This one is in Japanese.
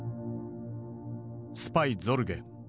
「スパイ・ゾルゲ」。